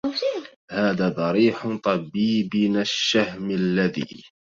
هذا ضريح طبيبنا الشهم الذي